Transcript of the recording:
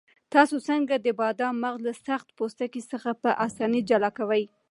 تاسو څنګه د بادامو مغز له سخت پوستکي څخه په اسانۍ جلا کوئ؟